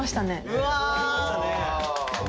うわ